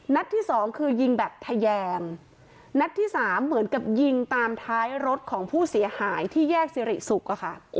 ที่สองคือยิงแบบทะแยงนัดที่สามเหมือนกับยิงตามท้ายรถของผู้เสียหายที่แยกสิริสุกอะค่ะ